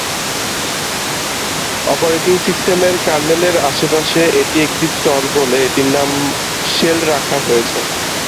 Operating সিস্টেমের কার্নেলের আশেপাশে এটি একটি স্তর বলে এটির নাম শেল রাখা হয়েছে।